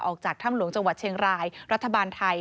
ออกจากถ้ำหลวงจังหวัดเชียงรายรัฐบาลไทย